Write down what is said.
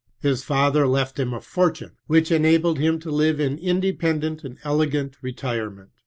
His father left him a fortune, which enabled him to live in independent and elegant retire ment.